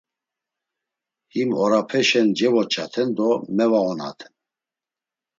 Him orapeşen cevoç̌aten do mevaonaten.